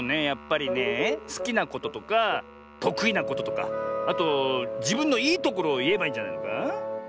やっぱりねえすきなこととかとくいなこととかあとじぶんのいいところをいえばいいんじゃないのか？